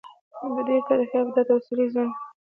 ډېری تاریخي ابدات او څلي یې زیان یا هم ویجاړ شوي دي